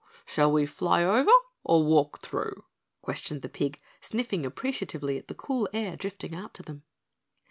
"Shall we fly over or walk through?" questioned the pig, sniffing appreciatively the cool air drifting out to them.